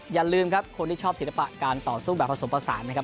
อย่าลืมครับคนที่ชอบศิลปะการต่อสู้แบบผสมผสานนะครับ